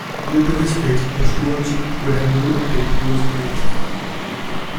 Due to his age, a stewardship would have ruled until he was old enough.